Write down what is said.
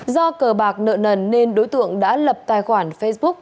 do cờ bạc nợ nần nên đối tượng đã lập tài khoản facebook